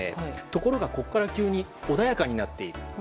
ところが急に穏やかになっている。